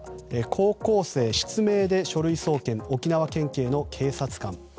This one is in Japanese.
高校生失明で書類送検沖縄県警の警察官。